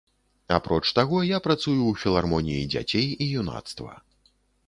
Апроч таго, я працую ў філармоніі дзяцей і юнацтва.